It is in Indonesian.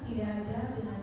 semua dari mana